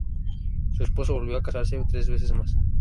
Su esposo volvió a casarse tres veces más.